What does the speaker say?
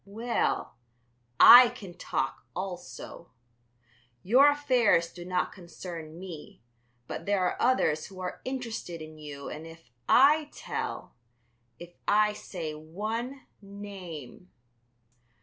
Well, I can talk also. Your affairs do not concern me, but there are others who are interested in you and if I tell, if I say one name....